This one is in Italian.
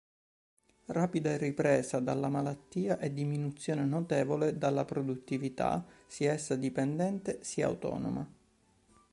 Rapida ripresa dalla malattia e diminuzione notevole dalla produttività sia essa dipendente sia autonoma.